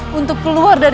minyak mata mereka bertaubat